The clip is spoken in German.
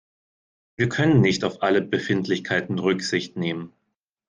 Wir können nicht auf alle Befindlichkeiten Rücksicht nehmen.